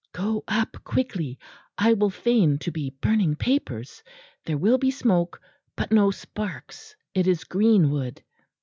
"Go up quickly. I will feign to be burning papers; there will be smoke, but no sparks. It is green wood."